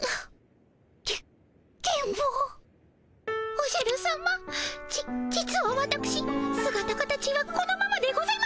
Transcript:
おじゃるさまじ実はわたくしすがた形はこのままでございま。